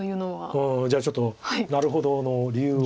じゃあちょっと「なるほど」の理由を。